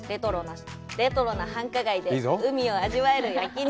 レトロな繁華街で海を味わえる焼き肉。